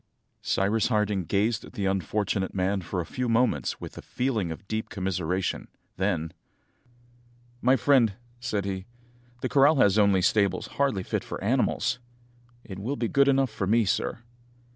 Cyrus Harding gazed at the unfortunate man for a few moments with a feeling of deep commiseration; then, "My friend," said he, "the corral has only stables hardly fit for animals." "It will be good enough for me, sir."